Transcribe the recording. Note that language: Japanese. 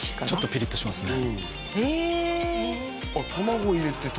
ちょっとピリッとしますねえっ！？